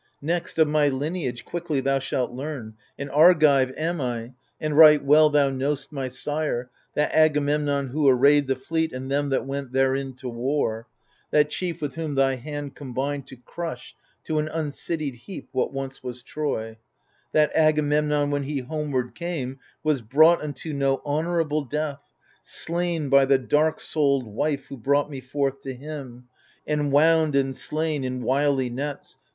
Next, of my lineage quickly thou shalt learn : An Argive am I, and right well thou know'st My sire, that Agamemnon who arrayed The fleet and them that went therein to war — That chief with whom thy hand combined to crush To an uncitied heap what once was Troy ; That Agamemnon, when he homeward came, Was brought unto no honourable death, Slain by the dark souled wife who brought me forth To him, — enwound and slain in wily nets.